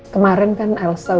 kemarin kan elsa udah jelas jelas